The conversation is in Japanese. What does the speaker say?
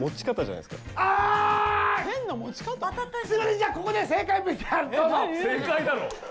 じゃあここで正解ＶＴＲどうぞ！